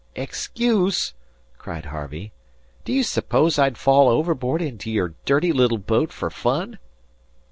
"Excuse!" cried Harvey. "D'you suppose I'd fall overboard into your dirty little boat for fun?"